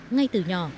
ngay từ nhỏ